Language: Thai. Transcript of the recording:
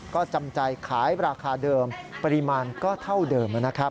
ก็จำใจขายราคาเดิมปริมาณก็เท่าเดิมนะครับ